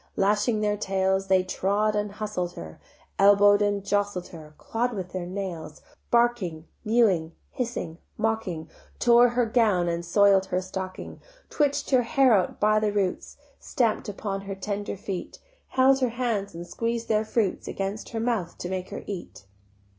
Lashing their tails They trod and hustled her, Elbow'd and jostled her, Claw'd with their nails, Barking, mewing, hissing, mocking, Tore her gown and soil'd her stocking, Twitch'd her hair out by the roots, Stamp'd upon her tender feet, Held her hands and squeez'd their fruits Against her mouth to make her eat.